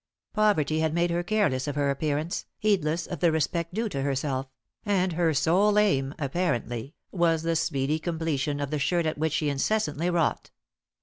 Poverty had made her careless of her appearance, heedless of the respect due to herself, and her sole aim, apparently, was the speedy completion of the shirt at which she incessantly wrought.